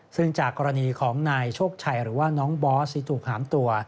ซึ่งจากกรณีของนายโชคชัยหรือว่าน้องบอสที่ถูกหามตัว